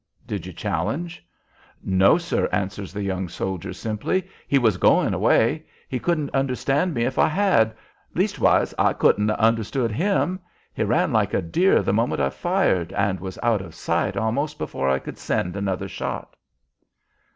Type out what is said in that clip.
"Did you challenge?" "No, sir," answers the young soldier, simply. "He was going away. He couldn't understand me if I had, leastwise I couldn't 'a understood him. He ran like a deer the moment I fired, and was out of sight almost before I could send another shot."